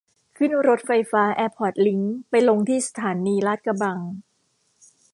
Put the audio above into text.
ขึ้นรถไฟฟ้าแอร์พอร์ตลิงก์ไปลงที่สถานีลาดกระบัง